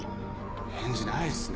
返事ないっすね。